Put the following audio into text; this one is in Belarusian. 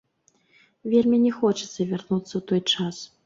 Вельмі не хочацца вярнуцца ў той час.